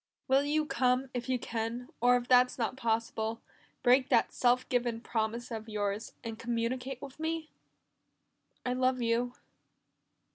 "Will you come if you can, or if that's not possible, break that self given promise of yours, and communicate with me? "I love you."